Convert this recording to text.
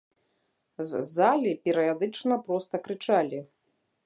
З залі перыядычна проста крычалі.